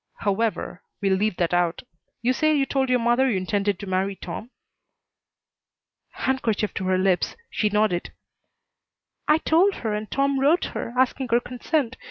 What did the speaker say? "However, we'll leave that out. You say you told your mother you intended to marry Tom?" Handkerchief to her lips, she nodded. "I told her, and Tom wrote her, asking her consent.